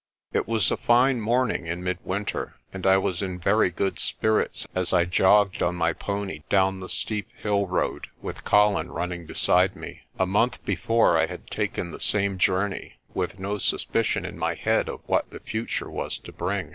It was a fine morning in midwinter, and I was in very good spirits as I jogged on my pony down the steep hill road with Colin running beside me. A month before I had taken the same journey, with no suspicion in my head of what the future was to bring.